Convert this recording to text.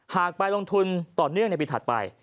ไปลงทุนต่อเนื่องในปีถัดไป